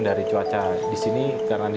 terima kasih sangat